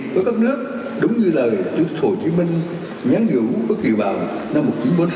vì với các nước đúng như lời chủ tịch hồ chí minh nhắn dữ với kiều bào năm một nghìn chín trăm bốn mươi sáu